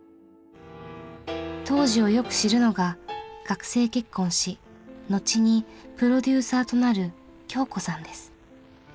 当時をよく知るのが学生結婚し後にプロデューサーとなる恭子さんです。